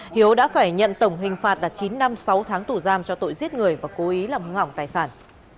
hiếu đã phải nhận tổng hình phạt là chín năm sáu tháng tù giam cho tội giết người và cố ý làm hư hỏng tài sản